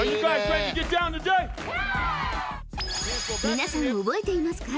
［皆さん覚えていますか？］